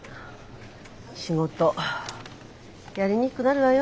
仕事やりにくくなるわよ。